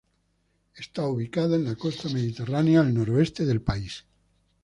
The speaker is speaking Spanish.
Está ubicada en la costa mediterránea, al noroeste del país.